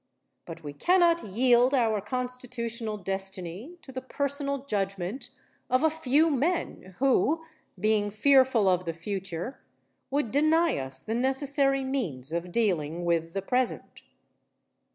But we cannot yield our constitutional destiny to the personal judgment of a few men who, being fearful of the future, would deny us the necessary means of dealing with the present.